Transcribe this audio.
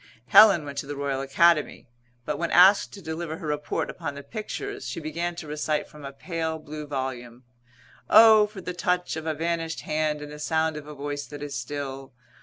Helen went to the Royal Academy, but when asked to deliver her report upon the pictures she began to recite from a pale blue volume, "O! for the touch of a vanished hand and the sound of a voice that is still.